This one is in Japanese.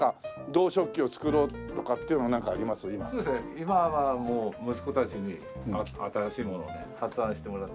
今はもう息子たちに新しいものをね発案してもらって。